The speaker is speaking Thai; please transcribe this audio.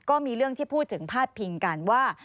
ก็มีเรื่องที่พูดถึงพาดพิงกันว่า